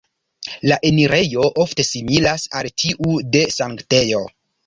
La enirejo ofte similas al tiu de sanktejo.